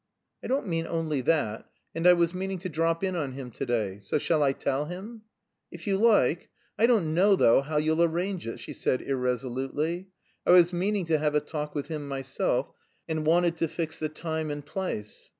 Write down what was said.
"I don't mean only that. And I was meaning to drop in on him to day. So shall I tell him?" "If you like. I don't know, though, how you'll arrange it," she said irresolutely. "I was meaning to have a talk with him myself, and wanted to fix the time and place."